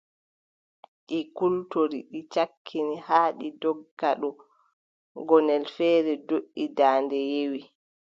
Ɗi kultori, ɗi caŋkiti, haa ɗi ndogga ɗo, gonnel feere doʼi, daande yewi.